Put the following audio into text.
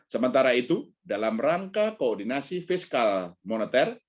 sementara itu dalam rangka koordinasi fiskal moneter